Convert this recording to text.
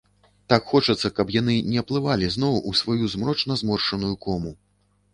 Так хочацца, каб яны не аплывалі зноў у сваю змрочна зморшчаную кому!